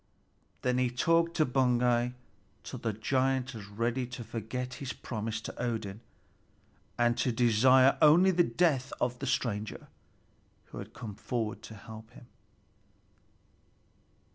Then he talked to Baugi till the giant was ready to forget his promise to Odin, and to desire only the death of the stranger who had come forward to help him.